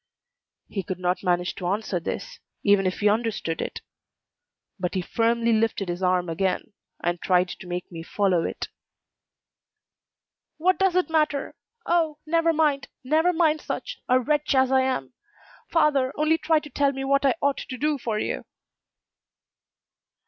He could not manage to answer this, even if he understood it; but he firmly lifted his arm again, and tried to make me follow it. "What does it matter? Oh, never mind, never mind such, a wretch as I am! Father, only try to tell me what I ought to do for you."